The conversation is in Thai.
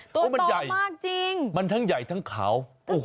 ตัวต่อมากจริงมันใหญ่มันทั้งใหญ่ทั้งขาว